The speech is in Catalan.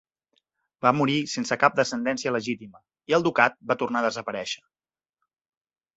Va morir sense cap descendència legítima i el ducat va tornar a desaparèixer.